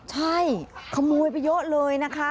ใช่ขโมยไปเยอะเลยนะคะ